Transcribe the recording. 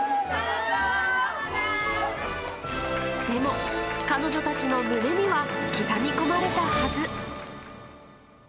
でも、彼女たちの胸には刻み込まれたはず。